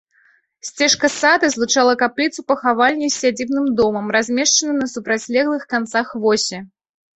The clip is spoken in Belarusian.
Сцежка сада злучала капліцу-пахавальню з сядзібным домам, размешчаны на супрацьлеглых канцах восі.